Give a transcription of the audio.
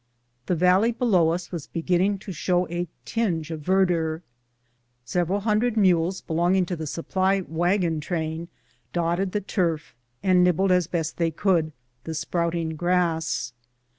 The valley below us was beginning to show a tinge of verdure. Several hundred mules belonging to the sup ply wagon train dotted the turf and nibbled as best they could the sprouting grass.